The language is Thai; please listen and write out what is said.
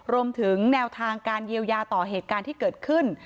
รวมถึงแนวทางการเยียวยาต่อเหตุการณ์ที่เกิดขึ้น